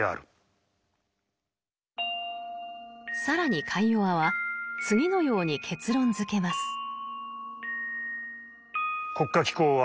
更にカイヨワは次のように結論づけます。